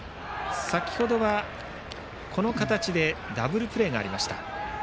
先程はこの形でダブルプレーがありました。